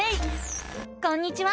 こんにちは！